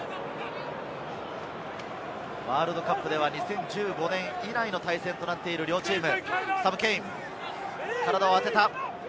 ワールドカップでは２０１５年以来の対戦となっている両チーム。